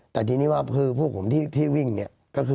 แต่ทีนี้ว่าพวกผมที่วิ่งเนี่ย